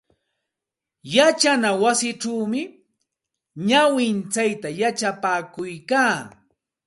Yachana wasichaw nawintsayta yachapakuykaa.